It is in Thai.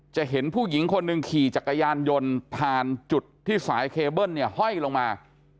เห็นผู้หญิงคนหนึ่งขี่จักรยานยนต์ผ่านจุดที่สายเคเบิ้ลเนี่ยห้อยลงมา